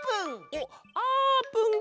おっあーぷんか！